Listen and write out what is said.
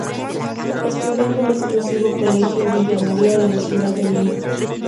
Estudió en el exclusivo Colegio Villa María de la ciudad de Lima.